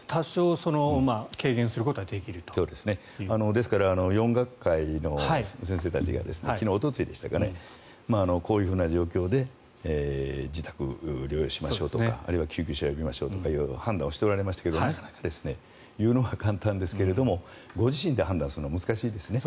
ですから、４学会の先生たちがおとといでしたかねこういう状況で自宅療養しましょうとかあるいは救急車を呼びましょうと判断をしておられましたがなかなか言うのは簡単ですけどご自身で判断するのは難しいですね。